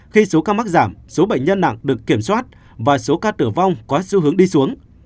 khi số ca mắc giảm số bệnh nhân nặng được kiểm soát và số ca tử vong có xu hướng đi xuống